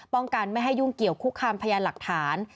ป้องกันไม่ให้ยุ่งเกี่ยวคุกคำพยายามหลักฐาน